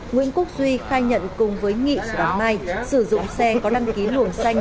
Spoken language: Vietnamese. nguyễn quốc duy khai nhận cùng với nghị của mai sử dụng xe có đăng ký luồng xanh